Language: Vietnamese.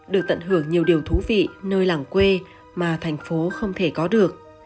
được tận hưởng nhiều điều thú vị nơi làng quê mà thành phố không thể có được